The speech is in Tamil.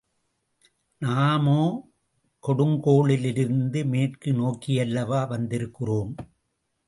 நாமோ, கொடுங்கோளூரிலிருந்து மேற்கு நோக்கியல்லவா வந்திருக்கிறோம்.